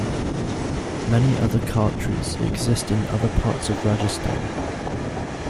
Many other chhatris exist in other parts of Rajasthan.